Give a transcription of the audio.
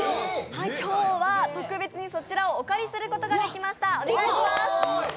今日は特別にそちらをお借りすることができました。